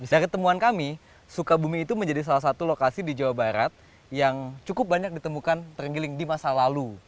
dari temuan kami sukabumi itu menjadi salah satu lokasi di jawa barat yang cukup banyak ditemukan tergiling di masa lalu